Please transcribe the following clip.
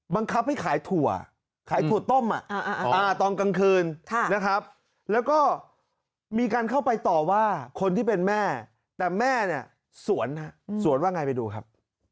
บังคับให้ขายถั่วขายถั่วต้มตอนกลางคืนนะครับแล้วก็มีการเข้าไปต่อว่าคนที่เป็นแม่แต่แม่เนี่ยสวนฮะสวนสวนว่าไงไปดูครับ